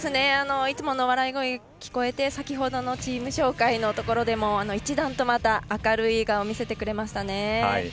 いつもの笑い声聞こえて先ほどのチーム紹介のところでも一段とまた明るい笑顔を見せてくれましたね。